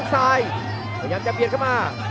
พยายามจะเบียดเข้ามา